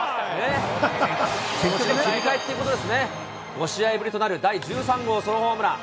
５試合ぶりとなる第１３号ソロホームラン。